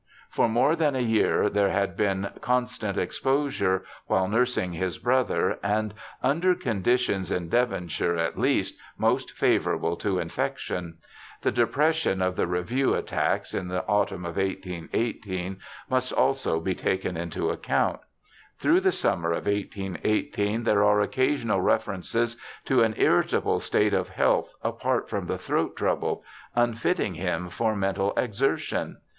For more than a year there had been constant exposure while nursing his brother, and under conditions, in Devonshire at least, most favourable to infection. The depression of the Review attacks in the autumn of 1818 must also be taken into account. Through the summer of 1818 there are occasional references to an irritable state of health apart from the throat trouble — unfitting him for mental exer tion.